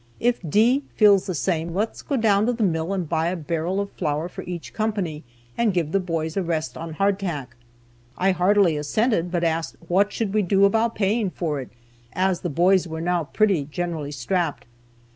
If 'D' feels the same, let's go down to the mill, and buy a barrel of flour for each company, and give the boys a rest on hardtack." I heartily assented, but asked what should we do about paying for it, as the boys were now pretty generally strapped.